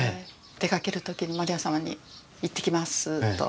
出かける時にマリア様に「いってきます」と。